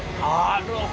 なるほど。